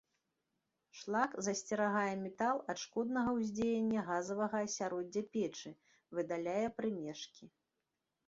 Шлак засцерагае метал ад шкоднага ўздзеяння газавага асяроддзя печы, выдаляе прымешкі.